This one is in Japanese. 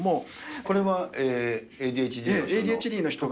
これはＡＤＨＤの人が。